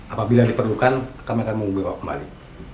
apabila diperlukan kami akan membawa kembali